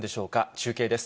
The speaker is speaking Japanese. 中継です。